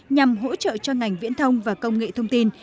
nhằm hỗ trợ cho ngành viễn thông và công nghệ thông tin